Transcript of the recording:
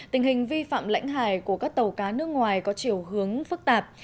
tình hình vi phạm lãnh hải của các tàu cá nước ngoài có chiều hướng phức tạp